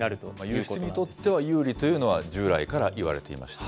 輸出にとっては有利というのは、従来から言われていましたよ